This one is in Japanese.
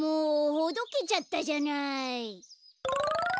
ほどけちゃったじゃない。